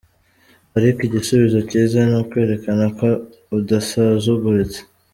Ariko, igisubizo cyiza ni ukwerekana ko udasuzuguritse.